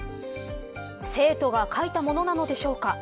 生徒が書いたものなのでしょうか。